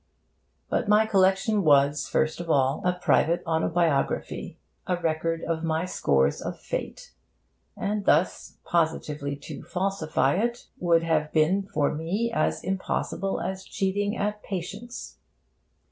But my collection was, first of all, a private autobiography, a record of my scores of Fate; and thus positively to falsify it would have been for me as impossible as cheating at 'Patience.'